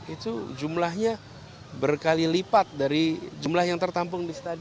itu jumlahnya berkali lipat dari jumlah yang tertampung di stadion